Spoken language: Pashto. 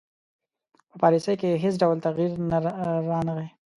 په پالیسي کې یې هیڅ ډول تغیر رانه غی.